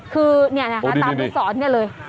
คือเนี่ยนะคะตามลูกศรเนี่ยเลย